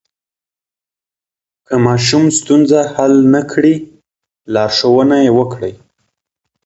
که ماشوم ستونزه حل نه کړي، لارښوونه یې وکړئ.